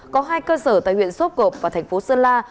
có hai cơ sở tại huyện sốp cộp và thành phố sơn la